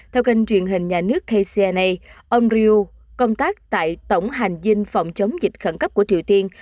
theo kênh truyền hình nhà nước kcna ông rio công tác tại tổng hành dinh phòng chống dịch khẩn cấp của triều tiên